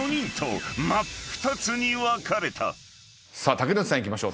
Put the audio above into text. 竹野内さんいきましょう。